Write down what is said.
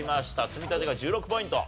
積み立てが１６ポイント。